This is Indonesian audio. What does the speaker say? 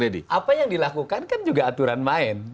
apa yang dilakukan kan juga aturan main